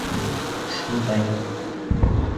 Шундай!